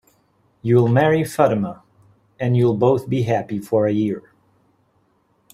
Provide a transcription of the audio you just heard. You'll marry Fatima, and you'll both be happy for a year.